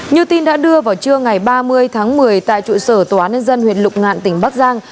như tin đã đưa vào trưa ngày ba mươi tháng một mươi tại trụ sở tòa án nhân dân huyện lục ngạn tỉnh bắc giang